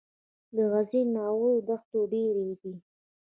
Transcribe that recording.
د غزني د ناور دښتې ډیرې دي